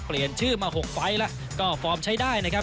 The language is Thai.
เปลี่ยนชื่อมา๖ไฟล์แล้วก็ฟอร์มใช้ได้นะครับ